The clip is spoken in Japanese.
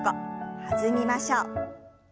弾みましょう。